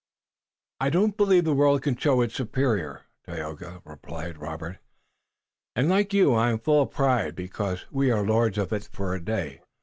"I don't believe the world can show its superior, Tayoga," replied Robert, "and I, like you, am full of pride, because we are lords of it for a day.